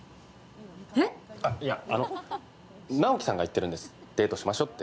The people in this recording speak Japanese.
あ、いや、直木さんが言ってるんです、デートしましょうって。